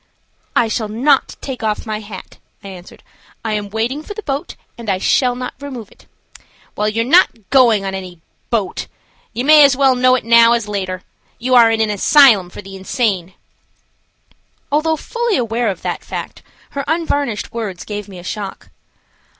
"I shall not take off my hat," I answered. "I am waiting for the boat, and I shall not remove it." "Well, you are not going on any boat. You might as well know it now as later. You are in an asylum for the insane." Although fully aware of that fact, her unvarnished words gave me a shock.